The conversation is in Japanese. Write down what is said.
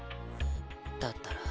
だったら。